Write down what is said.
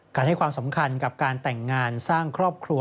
ให้ความสำคัญกับการแต่งงานสร้างครอบครัว